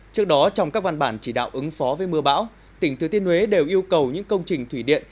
trước đó trong các văn bản chỉ đạo ứng phó với mưa bão tỉnh thừa tiên huế đều yêu cầu những công trình thủy điện